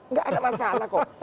nggak ada masalah kok